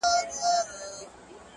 گراني دا هيله كوم ـ